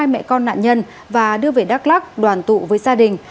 hai mẹ con nạn nhân và đưa về đắk lắc đoàn tụ với gia đình